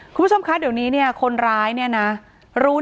ครูผู้ชมคะเดี๋ยวนี้เนี่ยคนร้ายเนี่ยนะรู้หน้าไม่รู้ใจ